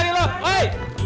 iya masya allah